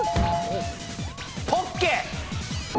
ポッケ！